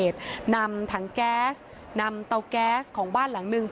เตาแก๊สของบ้านหลัง